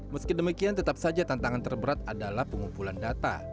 meski demikian tetap saja tantangan terberat adalah pengumpulan data